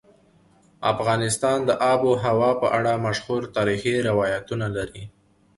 افغانستان د آب وهوا په اړه مشهور تاریخی روایتونه لري.